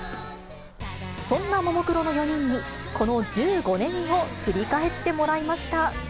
そんなももクロの４人に、この１５年を振り返ってもらいました。